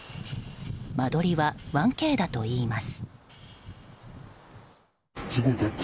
間取りは１Ｋだといいます。